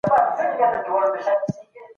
آیا ته د خپل اشنا يادګار يې؟